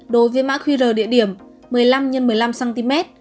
đối với mã qr địa điểm một mươi năm x một mươi năm cm